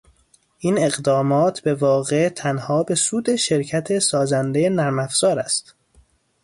این اقدامات به واقع تنها به سود شرکت سازنده نرمافزار است